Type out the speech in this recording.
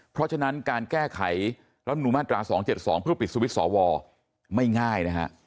เพราะฉะนั้นการแก้ไขรัฐมนุนมาตรา๒๗๒เพื่อปิดสวิตช์สวไม่ง่ายนะฮะ